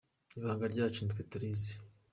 Ibanga ryacu nitwe turizi.